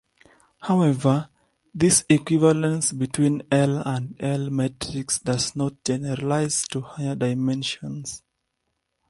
However, this equivalence between L and L metrics does not generalize to higher dimensions.